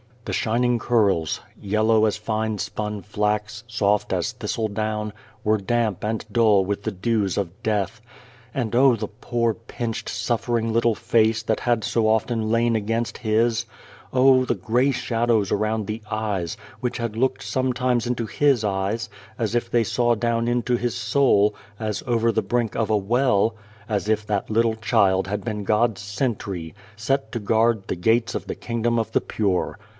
The shining curls, yellow as fine spun flax, soft as thistle down, were damp and dull with the dews of death. And oh! the poor, pinched, suffering little face that had so often lain against 209 p The Child, the Wise Man his ! Oh ! the grey shadows around the eyes, which had looked sometimes into his eyes, as if they saw down into his soul, as over the brink of a well ; as if that little child had been God's Sentry, set to guard the gates of the Kingdom of the Pure.